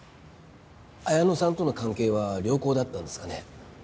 綾野さんとの関係は良好だったんですかね？